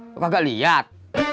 kau kagak lihat